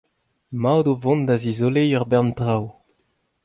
Emaout o vont da zizoleiñ ur bern traoù !